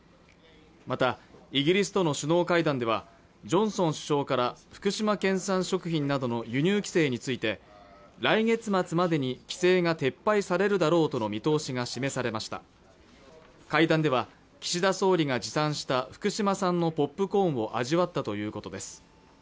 またイギリスとの首脳会談ではジョンソン首相から福島県産食品などの輸入規制について来月末までに規制が撤廃されるだろうとの見通しが示されました会談では岸田総理が持参した福島産のポップコーンを味わったということです